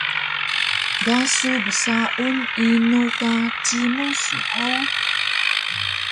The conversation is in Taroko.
Ga su bsaun inu ka cimu su hug?